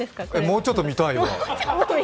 もうちょっと見たいわ。